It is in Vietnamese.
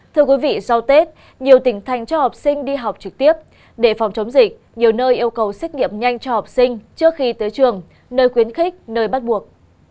thưa quý vị sau tết nhiều tỉnh thành cho học sinh đi học trực tiếp để phòng chống dịch nhiều nơi yêu cầu xét nghiệm nhanh cho học sinh trước khi tới trường nơi khuyến khích nơi bắt buộc